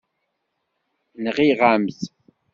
Nɣiɣ-am-t.